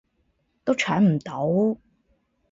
都搶唔到